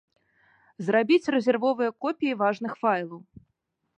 Зрабіць рэзервовыя копіі важных файлаў.